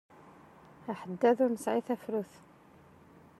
Aḥeddad ur nesɛi tafrut.